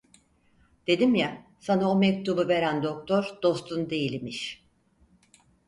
Dedim ya, sana o mektubu veren doktor dostun değil imiş.